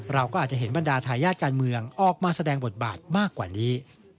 เราก็อาจจะเห็นบรรดาทายาทการเมืองออกมาแสดงบทบาทมากกว่านี้